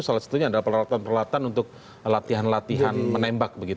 salah satunya adalah peralatan peralatan untuk latihan latihan menembak